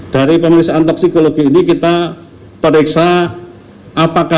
dari pemeriksaan toksikologi ini kita pemeriksaan toksikologi ini kita pemeriksa